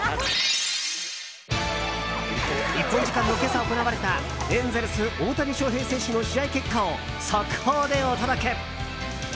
日本時間の今朝、行われたエンゼルス、大谷翔平選手の試合結果を速報でお届け。